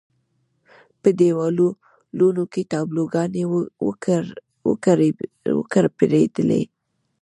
په دېوالونو کې تابلو ګانې وکړپېدلې.